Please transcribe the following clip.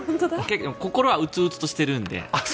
心はうつうつとしてるんで。